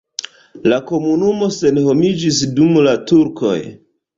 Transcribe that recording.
La komunumo senhomiĝis dum la turkoj.